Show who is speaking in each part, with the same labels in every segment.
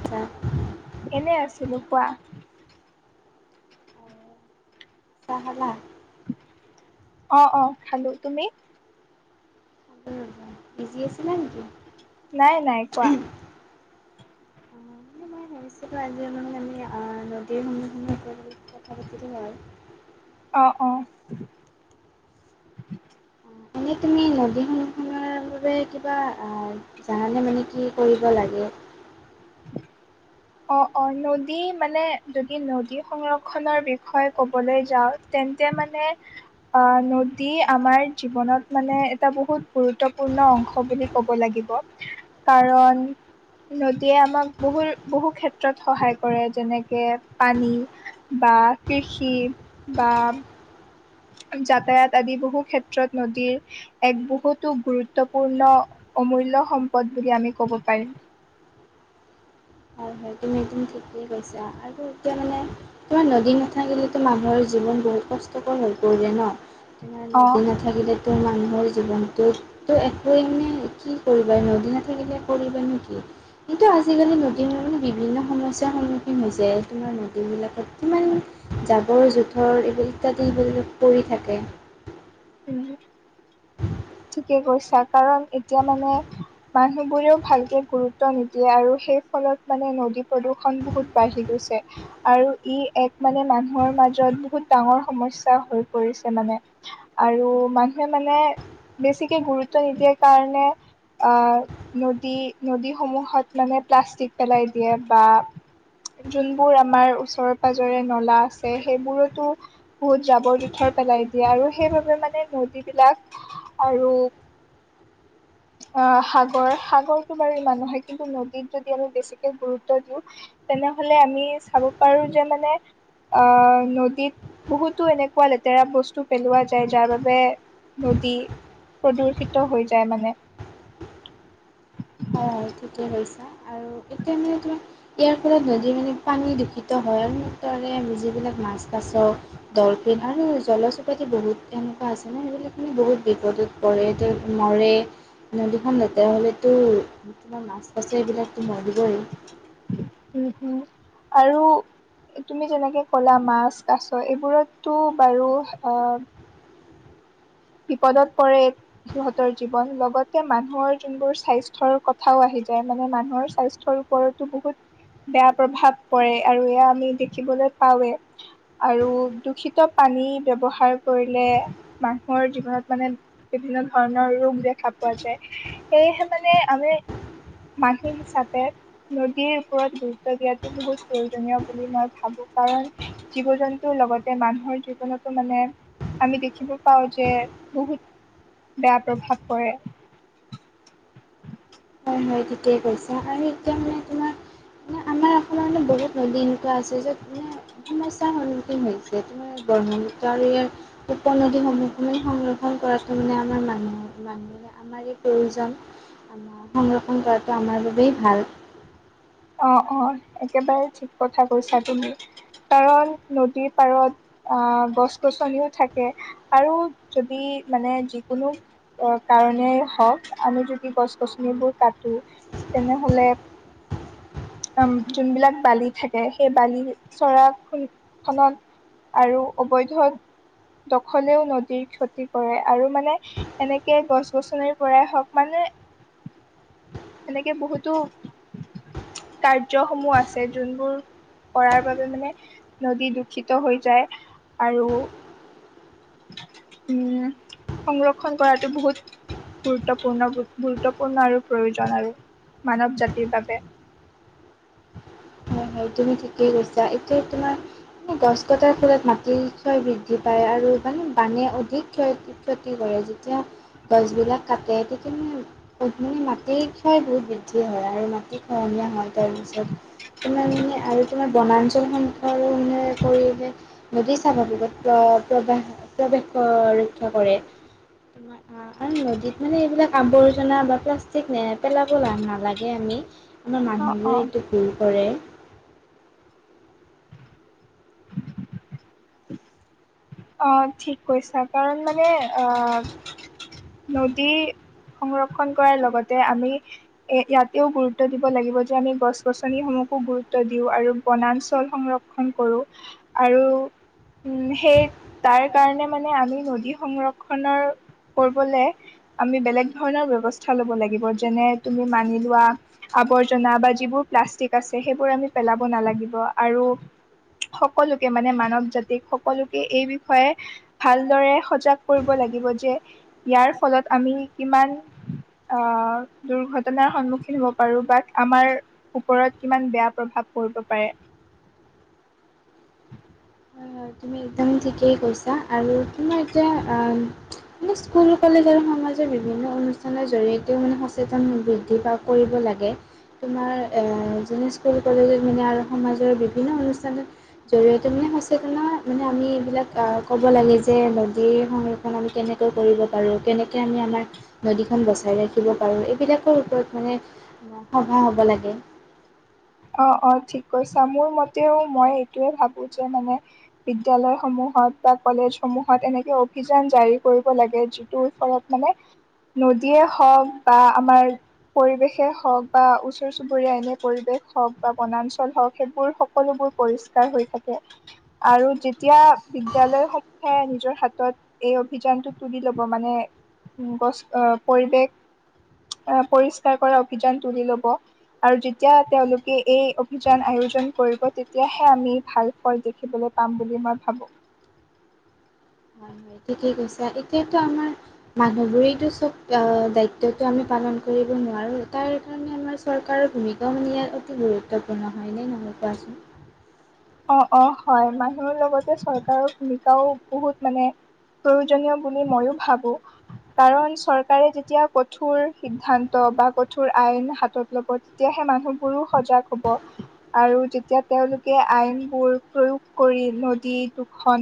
Speaker 1: আচ্ছা।
Speaker 2: এনে আছিলো কোৱা।
Speaker 1: চাহ খালা?
Speaker 2: অ অ খালো। তুমি?
Speaker 1: বিজি আছিলা নিকি?
Speaker 2: নাই নাই কোৱা।
Speaker 1: সমস্যাটো আজিৰ নহলে আমি নদীৰ সন্মুখীন পৰিৱেশৰ কথা পাতিলো হয়
Speaker 2: অহ অ।
Speaker 1: মানে তুমি নদী খনৰ কিবা আ জানালে মানে কি কৰিব লাগে?
Speaker 2: অ অ নদী মানে যদি নদী সংৰক্ষনৰ বিষয়ে ক'বলৈ যাওঁ তে তেন্তে মানে অ নদী আমাৰ জীৱনত মানে এটা বহুত গুৰুত্বপূৰ্ণ অংশ বুলি ক'ব লাগিব। কাৰণ নদীয়ে আমাক বহুত বহু ক্ষেত্ৰত সহায় কৰে যেনেকে পানী বা কৃষি বা আ যাতায়াত আদি বহু ক্ষেত্ৰত নদীৰ এক বহুতো গুৰুত্বপূৰ্ণ অমূল্য সম্পদ বুলি আমি ক'ব পাৰিম।
Speaker 1: হয় হয় তুমি তুমি ঠিকেই কৈছা। আৰু এতিয়া মানে তোমাৰ নদী নাথাকিলেতো মানুহৰ জীৱন বহুত কষ্টকৰ হৈ পৰিব ন? তোমাৰ নদী
Speaker 2: অ'
Speaker 1: নাথাকিলে তো মানুহৰ জীৱনটোত তো একোৱেই মানে কি কৰিবা? নদি নাথাকিলে কৰিবা নো কি? কিন্তু আজিকালি নদী বিভিন্ন সমস্যাৰ সন্মুখীন হৈছে। তোমাৰ নদী বিলাকত কিমান জাবৰ যোথৰ অ এইবিলাক ইত্যাদি [unintelligible] পৰি থাকে
Speaker 2: উ ঠিকে কৈছা। কাৰণ এতিয়া মানে মানুহ বোৰেও ভালকে গুৰুত্ব নিদিয়ে আৰু সেই ফলত মানে নদী প্ৰদূষণ বহুত বাঢ়ি গৈছে। ছে আৰু ই এক মানে মানুহৰ মাজত বহুত ডাঙৰ সমস্যা হৈ পৰিছে মানে। আৰু মানুহে মানে বেছিকে গুৰুত্ব নিদিয়াৰ কাৰণে আহ নদী নদীসমূহত মানে প্লাষ্টিক পেলাই দিয়ে বা যোনবোৰ আমাৰ ওচৰে পাজৰে নলা আছে সেইবোৰতো বহুত জাবৰ জোথৰ পেলাই দিয়ে আৰু সেইবাবে মানে নদীবিলাক আৰু অ সাগৰ সাগৰটো বাৰু ইমান নহয়। কিন্তু নদীত যদি আমি বেছিকে গুৰুত্ব দিওঁ তেনে তেনেহলে আমি চাব পাৰো যে মানে অ, নদীত বহুতো এনেকুৱা লেতেৰা বস্তু পেলোৱা যায়। যাৰ বাবে নদী প্ৰদূষিত হৈ যায় মানে। [inaudible]
Speaker 1: অঁ ঠিকে কৈছা। আৰু এতিয়া মানে তোমাৰ ইয়াৰ পৰা নদী মানে পানী দূষিত হয় আৰু তাৰে আমি যিবিলাক মাছ কাছ ডলফিন আৰু জলচপাতি বহুত এনেকুৱা আছে ন সেইবিলাক মানে বহুত বিপদ মৰে নদীখন লেতেৰা হ'লেতো মাছ আছে এইবিলাকতো মৰিবই।
Speaker 2: উম উম আৰু তুমি যেনেকে কলা মাছ কাছ এইবোৰতো বাৰু আহ বিপদত পৰে সিহঁতৰ জীৱন। লগতে মানুহৰ যোনবোৰ স্বাস্থ্যৰ কথাও আহে যায় মানে, মানুহৰ স্বাস্থ্যৰ ওপৰতো বহুত। বেয়া প্ৰভাৱ পৰে আৰু এয়া আমি দেখিবলৈ পাওে আৰু দূষিত। আমি ব্যৱহাৰ কৰিলে বা। মোৰ জীৱনত মানে বিভিন্ন ধৰণৰ ৰোগ দেখা পোৱা যায়, সেয়েহে মানে আমি। মানহ হিচাপে নদীৰ ওপৰত গুৰুত্ব দিয়াতটো বহুত প্ৰয়োজনীয় বুলি মই ভাবো। কাৰণ জীৱ জন্তুৰ লগতে মানুহৰ জীৱনতো মানে আমি দেখিবো। পাওঁ যে বহুত বেয়া প্ৰভাৱ পৰে। [inaudible]
Speaker 1: হয় হয়, তেতিয়াই কৈছ আৰু এতিয়া মানে তোমাৰ মে আমাৰ। সাৰণে বহুত নদী এনেকুৱা আছে য'ত মানে সমস্যাৰ সন্খীন [unintelligible] হৈছে তে ব্ৰহ্মপুত্ৰ আৰু ইয়াৰ উপনদীসমূহ মানে সংৰক্ষণ কৰাতো মানে আমাৰ। মানুহ মানুহে আমাৰ প্ৰয়োজন। আমাৰ
Speaker 2: [inaudible]
Speaker 1: সংৰক্ষণ কৰাটো আমাৰ বাবেই ভাল।
Speaker 2: অঁ অঁ একেবাৰে ঠিক কথা কৈছা, তুমি কাৰণ নদীৰ পাৰত। আহ গছ গছনিও থাকে আৰু যদি মানে যিকোনো। কাৰনেই হওঁক আমি যদি গছ গছনিবোৰ কাটো। তেনেহলে। উম, যোনবিলাক বালি থাকে সেই বালি চৰা খ খনত। আৰু অবৈধ। দখলেও নদীৰ ক্ষতি কৰে, আৰু মানে এনেকে গছ গছনিৰ পৰাই হওক মানে। এনেকে বহুতো। কাৰ্যসমূহ আছে যোনবোৰ। কৰাৰ বাবে মানে নদী দূষিত হৈ যায় আৰু। উম সংৰক্ষণ কৰাটো বহুত। গুৰুত্বপূৰ্ণ, গুৰুত্বপূৰ্ণ আৰু প্ৰয়োজন আৰু মানৱ জাতিৰ বাবে।
Speaker 1: হয় হয়, তুমি ঠিকেই কৈছা এতিয়া তোমাৰ। গছ কটাৰ ফলত মাটিৰ ক্ষয় বৃদ্ধি পায় আৰু মানে বানে অধিক ক্ষয় ক্ষতি কৰে। যেতিয়া গছবিলাক কাটে তেতিয়া মানে মানে মাটিৰ ক্ষয় বহুত বৃদ্ধি হয় আৰু। আৰু মাটি খহনীয়াৰ হয়, তাৰ পাছত পেলাই আৰু তোমাৰ। ত কাৰনে। যদি স্বাভাৱিকত প্ৰৱ প্ৰৱেশ ৰক্ষা কৰে। তোমাৰ আৰু নদীত মানে এইবিলাক আৱৰ্জনা বা প্লাষ্টিক ন পেলাব নালাগে আমি, আমাৰ
Speaker 2: অ অ
Speaker 1: মানুহবোৰে এইটো ভুল কৰে
Speaker 2: অঁ ঠিক কৈছা কাৰণ মানে আহ নদী সংৰক্ষন কৰাৰ লগতে আমি এ ইয়াতেও গুৰুত্ব দিব লাগিব যে আমি গছ গছনিসমূহ গুৰুত্ব দিওঁ আৰু বনাঞ্চল সংৰক্ষণ কৰো আৰু উম সেই তাৰ কাৰণে মানে আমি নদী সংৰক্ষণৰ কৰিবলে আমি বেলেগ ধৰণৰ ব্যবস্থা লব লাগিব যেনে তুমি মানি লোৱা আৰ্বজনা অঁ যিবোৰ প্লাচ টিক আছে সেইবোৰ আমি পেলাব নালাগিব আৰু সকলোকে মানে মানৱ জাতিক সকলোকে এই বি বিষয়ে ভালদৰে সজাগ কৰিব লাগিব যে ইয়াৰ ফলত আমি কিমান আহ দুৰ্ঘটনাৰ সন্মুখীন হব পাৰো বা আমাৰ ওপৰত কিমান বেয়া প্ৰভাৱ কৰিব পাৰে।
Speaker 1: হয় তুমি একদম ঠিকেই কৈছা আৰু তোমাৰ এতিয়া মানে স্কুল কলেজ আৰু সমাজৰ বিভিন্ন অনুষ্ঠানৰ জৰিয়তেও মানে সচেতন সম বৃদ্ধি বা কৰিব লাগে থাকে তোমাৰ যেনে স্কুল কলেজত মানে আৰু সমাজৰ বিভিন্ন অনুষ্ঠানৰ জৰিয়তে মানে সঁচ মানে আমি এইবিলাক ক'ব লাগে যে নদীৰ সংৰক্ষণ আমি কেনেকৈ কৰিব পাৰোঁ কেনে আমি আমাৰ নদীখন বচাই ৰাখিব পাৰোঁ এইবিলাকৰ ওপৰত মানে সভা হ'ব লাগে
Speaker 2: অ অ ঠিক কৈছা মোৰ মতেও মই এইটোৱে ভাবো যে মানে বিদ্যালয় সমূহ ত বা কলেজ সমূহত এনেকে অভিযান জাৰি কৰিব লাগে যিটোৰ ওচৰত মানে নদীয়ে হওক বা আমাৰ পৰিৱেশে হওক বা ওচৰ চুবুৰীয়া এনে পৰিৱেশ হওক বা বনাঞ্চল হওক সেইবোৰ সকলোবোৰ পৰিষ্কাৰ হৈ থাকে আৰু যেতিয়া বিদ্যালয়সমূহে নিজৰ হাতত এই অভিযানটো তুলি ল'ব মানে [unintelligible] গছ পৰিৱেশ আহ পৰিস্কাৰ কৰা অভিযান তুলি লব আৰু যেতিয়া তেওঁলোকে এই অভিযান আয়োজন কৰিব তেতিয়াহে আমি ভাল ফল দেখিবলৈ পাম বুলি মই ভাবো [inaudible]
Speaker 1: ঠিকেই কৈছে এতিয়াতো আমাৰ মানুহ বোৰেইটো চব দায়িত্বটো আমি পালন কৰিব নোৱাৰোঁ তাৰ কাৰণে আমাৰ চৰকাৰৰ ভূমিকাও নিয়াত অতি গুৰুত্বপূৰ্ণ হয়নে নহয় কোৱাচোন
Speaker 2: অ অ হয় মানুহৰ লগতে চৰকাৰৰ ভূমিকাও বহুত মানে প্ৰয়োজনীয় বুলি মইও ভাবো কাৰণ চৰকাৰে যেতিয়া কঠোৰ সিদ্ধান্ত কঠোৰ আইন হাতত লব তেতিয়াহে মানুহবোৰ সজাগ হব আৰু যেতিয়া তেওঁলোকে আইনবোৰ প্ৰয়োগ কৰি নদী দুখন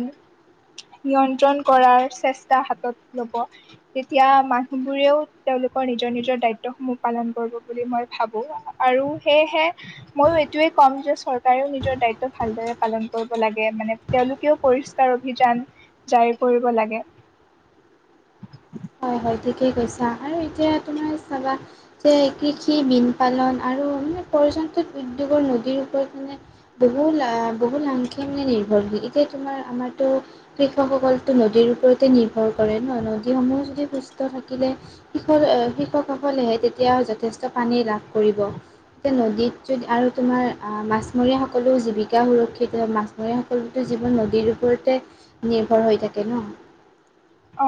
Speaker 2: নিয়ন্ত্ৰণ কৰাৰ চেষ্টা হাতত লব তেতিয়া মানুহবোৰেও তেওঁলোক [unintelligible] োক নিজৰ নিজৰ দায়িত্বসমূহ পালন কৰিব বুলি মই ভাবো আৰু সেয়েহে ময়ো এইটোয়ে [unintelligible] কম যে চৰকাৰেও নিজৰ দায়িত্ব ভালদৰে পালন কৰিব লাগে মানে তেওঁলোকেও পৰিষ্কাৰ অভিযান জাৰি কৰিব লাগে [inaudible]
Speaker 1: হয় হয় ঠিকেই কৈছা আৰু এতিয়া তোমাৰ চাবা যে কৃষি বীন পালন আৰু [unintelligible] মানে পৰ্যন্তত উদ্যোৰ নদীৰ ওপৰত মানে বহু লাভ বহু লাংখেম নে নিৰ্ভৰশীল [unintelligible] যে তোমাৰ আমাৰতো কৃষকসকলতো নদীৰ ওপৰতে নিৰ্ভৰ কৰে ন নদীসমূহ যদি সুস্থ থাকিলে এতিয়া যথেষ্ট পানী লাভ কৰিব এতিয়া নদীত যদি আৰু তোমাৰ মাছমৰীয়াসকলো জীৱিকা সুৰক্ষিত মাছৰ সকলোতো জীৱন নদীৰ ওপৰতে নিৰ্ভৰ হৈ থাকে ন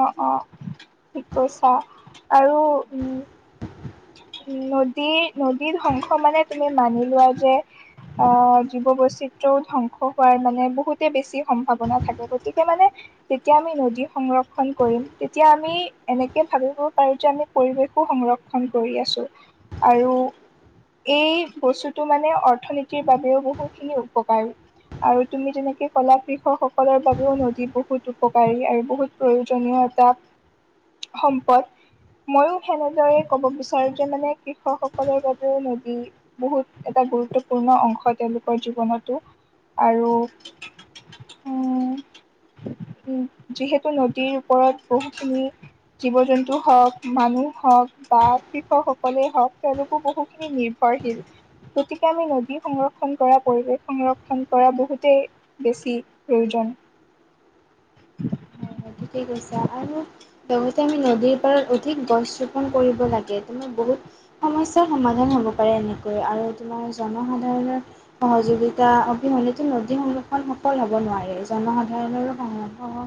Speaker 2: অ অ ঠিক কৈছা আৰু উম [inaudible] উ নদী নদী ধ্বংস মানে তুমি মানি লোৱা যে অ জীৱ বৈচিত ধ্বংস হোৱাৰ মানে বহুতে বেছি সম্ভাৱনা থাকে গতিকে মানে যেতিয়া আমি নদী সংগ্ৰহ কৰিম তেতিয়া আমি এনেকে ভাবিব পাৰো যে আমি পৰিৱেশো সংৰক্ষণ- কৰি আছোঁ আৰু এই বস্তুটো মানে অৰ্থনীতিৰ বাবেও বহুখিনি উপকাৰী আৰু তুমি তেনেকে কলা কৃষক সকলৰ বাবেও নদী বহুত উপকাৰী আৰু বহুত প্ৰয়োজনীয়। এটা সম্পদ মইও সেনেদৰে ক'ব বিচাৰো যে মানে কৃষকসকলৰ বাবেও নদী বহুত এটা গুৰুত্বপূৰ্ণ অংশত তেওঁলোকৰ জীৱনতো আৰু উ উ যিহেতু নদীৰ ওপৰত বহুখিনি জীৱ জন্তু হওক মানুহ হওক বা কৃষকসকলে হওক তেওঁলোকো বহু খিনি নিৰ্ভৰশীল গতিকে আমি নদী সংৰক্ষণ কৰা পৰিৱেশ সংৰক্ষণ কৰা বহুতেই বেছি প্ৰয়োজন। [inaudible]
Speaker 1: হয় হয় ঠিকেই কৈছা আৰু লগতে আমি নদীৰ পাৰত অধিক গছ ৰোপন কৰিব লাগে। বহুত সমস্যাৰ সমাধান হ'ব পাৰে এনেকৈ আৰু তোমাৰ জনসাধাৰণৰ সহযোগ [unintelligible] সহযোগিতা অবিহনেটো নদী সংৰক্ষণ সফল হ'ব নোৱাৰে জনসাধাৰণৰো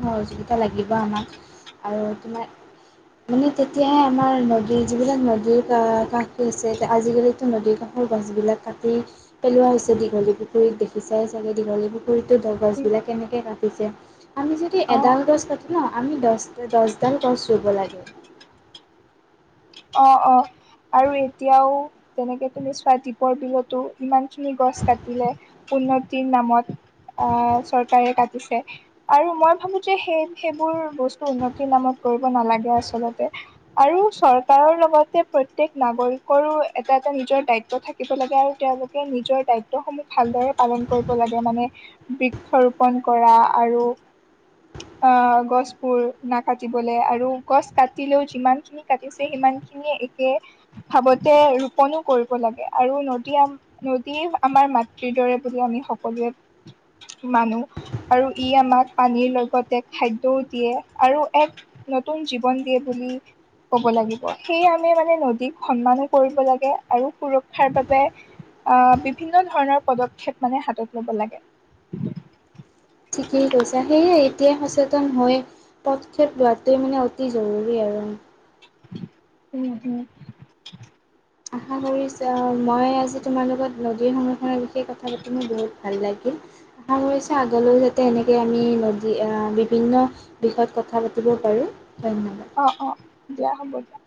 Speaker 1: সহযোগিতা [unintelligible] এ লাগিব আমাক আৰু তোমাৰ মানে তেতিয়াহে আমাৰ নদী যিবিলাক নদীৰ ক কাষ [unintelligible] ঠিক আছে এতিয়া আজিকালিতো নদী [unintelligible] গছ বিলাক কাটি পেলোৱা হৈছে দীঘলী পুখুৰীত দেখি চাই চাগে দীঘলী পুখুৰীত দ গছ বিলাক কেনেকে কাটিছে আমি যদি
Speaker 2: অ
Speaker 1: এডাল গছ ন আমি দ দহডাল গছ ৰুব লাগে।
Speaker 2: অ অ। আৰু এতিয়াও তেনেকে তুমি চোৱা দীপৰ বিলতো ইমান খিনি গছ কাটিলে, উন্নতিৰ নামত চৰকাৰে কাটিছে আৰু মই ভাবো যে সেই সেইবোৰ বস্তু উন্নতিৰ নামত কৰিব নেলাগে আচলতে আৰু চ ৰকাৰৰ লগতে প্ৰত্যেক নাগৰিকৰো এটা এটা নিজৰ দায়িত্ব থাকিব লাগে আৰু তেওঁলোকে নিজৰ দায়িত্বসমূহ ভালদৰে পালন কৰিব লাগে মানে বৃক্ষ ৰোপন কৰা আৰু অ গছবোৰ নাকাটিবলে আৰু গছ কাটিলেও যিমান খিনি কাটিছে সিমানি খ একে ভাৱতে ৰোপনো কৰিব লাগে আৰু নদী নদী আমাৰ মাতৃৰ দৰে বুলি আমি সকলোৱে মানো আৰু ই আমাক পানীৰ লক্ষ্ লগতে খাদ্যও দিয়ে আৰু এক নতুন জীৱন দিয়ে বুলি কব লাগিব সেয়ে আমে মানে নদীক সন্মানো কৰিব লাগে আৰু সুৰক্ষাৰ বাবে আহ বিভিন্ন ধৰণৰ পদক্ষেপ মানে হাতত ল'ব লাগে।
Speaker 1: ঠিকেই কৈছা সেয়ে এতিয়াই সচেতন হৈ পদক্ষেপ লোৱাটোৱে মানে অতি জৰুৰী আৰু উম
Speaker 2: অহ অহ
Speaker 1: আশা কৰিছো মই আজি তোমাৰ লগত নদীৰ সংৰক্ষণৰ বিষয়ে কথা পাতিম মোৰ বহুত ভাল লাগিল আগলৈ যাতে এনেকে আমি বিভিন্ন বিষয়ত কথা পাতিব পাৰোঁ ধন্যবাদ।
Speaker 2: অ অ দিয়া হ'ব দিয়া